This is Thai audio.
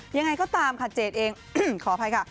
ยังไงก็ตามค่ะเจดเองขออภัยค่ะ